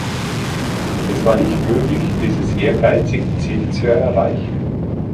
Es war nicht möglich, dieses ehrgeizige Ziel zu erreichen.